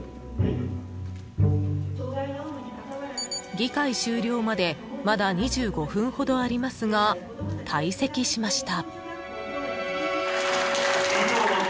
［議会終了までまだ２５分ほどありますが退席しました］